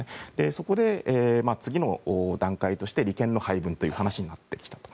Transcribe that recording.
そこで、次の段階として利権の配分という話になってきたと。